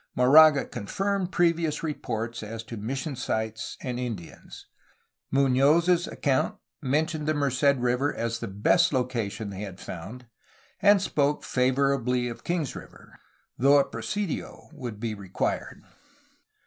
Moraga confirmed previous re ports as to mission sites and Indians. Munoz's account mentioned the Merced River as the best location they had found, and spoke favorably of Kings River, though a presidio would be required.